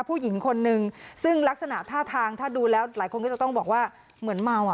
ผู้หญิงคนนึงซึ่งลักษณะท่าทางถ้าดูแล้วหลายคนก็จะต้องบอกว่าเหมือนเมาอ่ะ